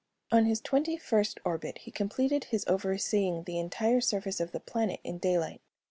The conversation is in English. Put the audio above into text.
On his twenty first orbit he completed his overseeing the entire surface of the planet in daylight.